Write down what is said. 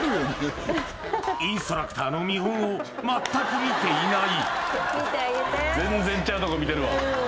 インストラクターの見本を全く見ていない